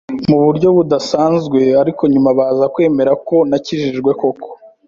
mu buryo budasanzwe ariko nyuma baza kwemera ko nakijijwe koko